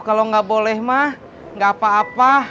kalo gak boleh mah gak apa apa